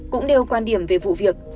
cũng đều quan điểm về vụ việc